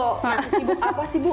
masih sibuk apa sih bu